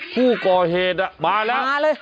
ผู้ก่อเหตุมาแล้วมาเลย